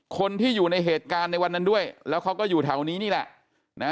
คนที่อยู่ในเหตุการณ์ในวันนั้นด้วยแล้วเขาก็อยู่แถวนี้นี่แหละ